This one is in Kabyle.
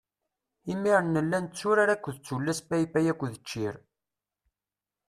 Imir-n nella netturar akked tullas paypay akked ččir.